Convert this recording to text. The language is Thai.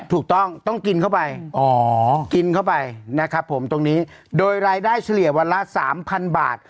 ถูกต้องต้องกินเข้าไปอ๋อกินเข้าไปนะครับผมตรงนี้โดยรายได้เฉลี่ยวันละสามพันบาท